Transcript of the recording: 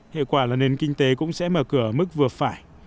hệ quả là nền kinh tế cũng sẽ mở cửa ở mức vừa phải